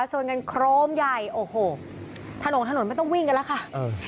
ชนกันโครมใหญ่โอ้โหถนนถนนไม่ต้องวิ่งกันแล้วค่ะเออ